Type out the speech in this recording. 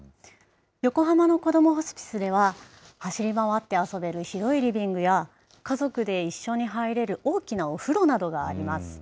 横浜のこどもホスピスでは、走り回って遊べる広いリビングや、家族で一緒に入れる大きなお風呂などがあります。